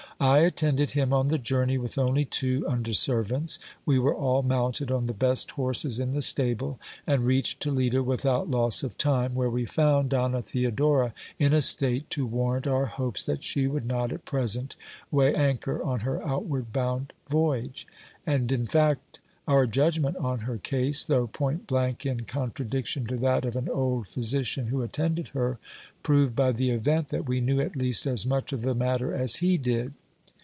I attended him on the journey with only two under servants ; we were all mounted on the best horses in the stable, and reached Toledo without loss of time, where we found Donna Theodora in a state to warrant our hopes that she would not, at present, weigh anchor on her outward bound voyage ; and, in fact, our judgment on her case, though point blank in contradiction to that of an old physician who attended her, proved by the event that we knew at least as much of the matter as he did.